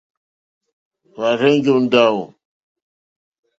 Hwá rzènjó ndáwù.